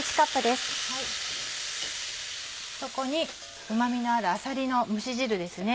そこにうま味のあるあさりの蒸し汁です。